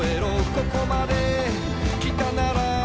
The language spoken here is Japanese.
「ここまで来たなら」